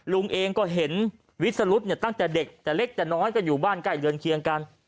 ลุงเองก็เห็นวิสรุธเนี่ยตั้งแต่เด็กแต่เล็กแต่น้อยก็อยู่บ้านใกล้เรือนเคียงกัน